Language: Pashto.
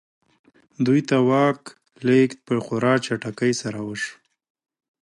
دوی ته د واک لېږد په خورا چټکۍ سره وشو.